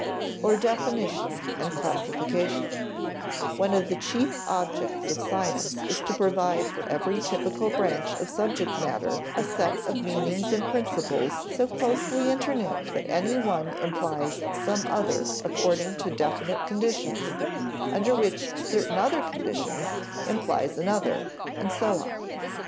[Sidenote: or definition and classification] One of the chief objects of science is to provide for every typical branch of subject matter a set of meanings and principles so closely interknit that any one implies some other according to definite conditions, which under certain other conditions implies another, and so on.